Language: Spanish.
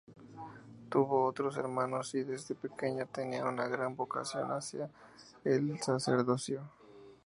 Tuvo otros hermanos y desde pequeño tenía una gran vocación hacia el sacerdocio.